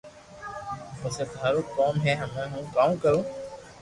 پسي ٿارو ڪوم ھي ھمي ھون ڪاو ڪرو